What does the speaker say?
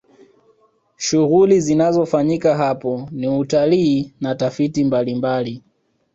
shughuli zinazofanyika hapo ni utalii na tafiti mbalimbali